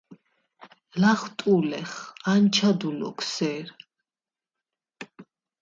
ლახტუ̄ლეხ: “ანჩადუ ლოქ სერ”.